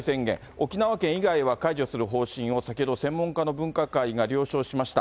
沖縄県以外は解除する方針を先ほど専門家の分科会が了承しました。